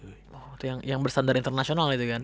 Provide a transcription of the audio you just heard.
waktu yang bersandar internasional itu kan